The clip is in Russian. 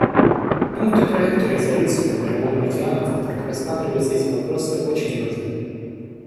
Пункты проекта резолюции по Мировому океану, в которых рассматриваются эти вопросы, очень важны.